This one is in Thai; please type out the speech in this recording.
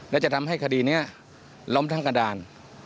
แล้วจะทำให้คดีเนี้ยล้อมทางกระดาน